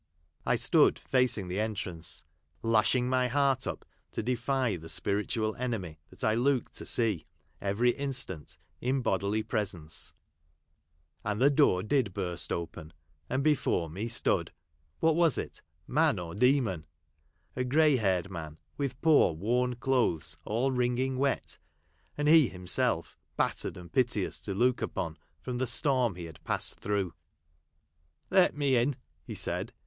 I stood facing the entrance, lashing my heart up to defy the spiritual 'enemy that I looked to see, every instant, in bodily presence ; and the door did burst open ; •uul before me stood — what was it '] man or demon 1 a grey haired man, with poor Avorn clothes all wringing wet, and he himself battered and piteous to look Aipon, from tin ; storm he had passed through. " Let me in !" he said.